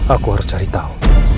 aku harus cari tahu